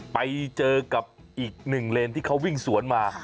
ไปเจอกับอีกหนึ่งเลนที่เขาวิ่งสวนมา